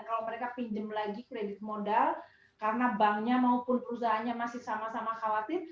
kalau mereka pinjam lagi kredit modal karena banknya maupun perusahaannya masih sama sama khawatir